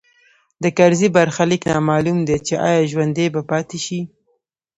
د کرزي برخلیک نامعلوم دی چې ایا ژوندی به پاتې شي